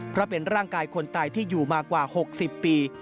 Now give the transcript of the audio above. เพราะเป็นร่างกายคนตายที่อยู่มากว่า๖๐ปี